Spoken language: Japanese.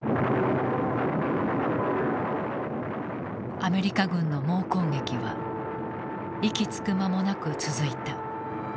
アメリカ軍の猛攻撃は息つく間もなく続いた。